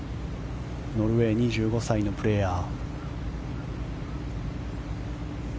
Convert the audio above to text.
ノルウェー２５歳のプレーヤー。